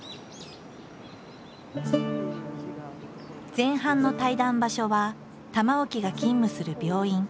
前半の対談場所は玉置が勤務する病院。